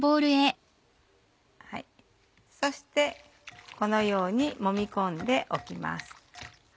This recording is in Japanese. そしてこのようにもみ込んでおきます。